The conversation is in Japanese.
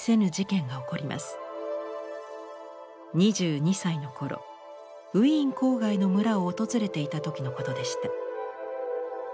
２２歳の頃ウィーン郊外の村を訪れていた時のことでした。